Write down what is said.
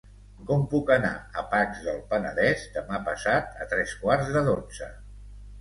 Com puc anar a Pacs del Penedès demà passat a tres quarts de dotze?